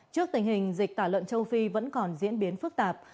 trước tình hình dịch tả lợn châu phi vẫn còn diễn biến phức tạp